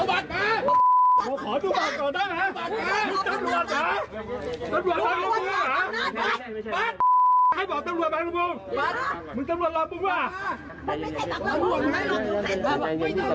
เอาบัตรมา